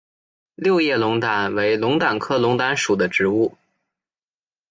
六叶龙胆为龙胆科龙胆属的植物。